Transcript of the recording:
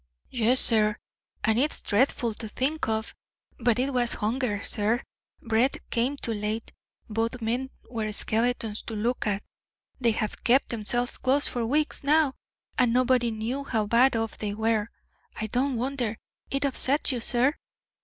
"Yes, sir, and it's dreadful to think of, but it was hunger, sir. Bread came too late. Both men are mere skeletons to look at. They have kept themselves close for weeks now, and nobody knew how bad off they were. I don't wonder it upset you, sir.